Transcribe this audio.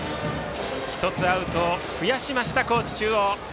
１つアウトを増やしました高知中央。